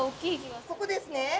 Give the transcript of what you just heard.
ここですね。